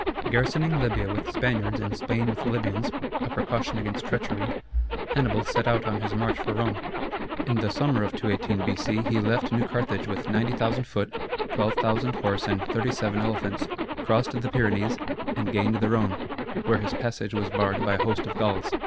Garrisoning Libya with Spaniards, and Spain with Libyans (a precaution against treachery), Hannibal set out on his march for Rome. In the summer of 218 B.C. he left New Carthage with 90,000 foot, 12,000 horse, and 37 elephants, crossed the Pyrenees, and gained the Rhone, where his passage was barred by a host of Gauls.